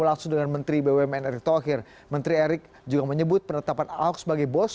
langsung dengan menteri bumn erick thohir menteri erick juga menyebut penetapan ahok sebagai bos